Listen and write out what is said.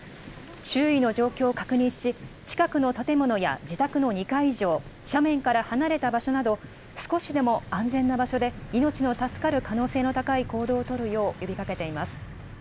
周囲の状況を確認し、近くの建物や自宅の２階以上、斜面から離れた場所など、少しでも安全な場所で、命の助かる可能性の高い行動を取るよう呼びかけています。